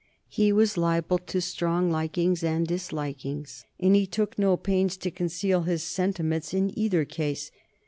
He was liable to strong likings and dislikings, and he took no pains to conceal his sentiments in either case.